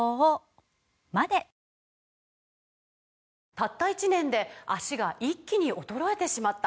「たった１年で脚が一気に衰えてしまった」